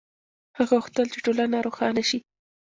هغه غوښتل چې ټولنه روښانه شي.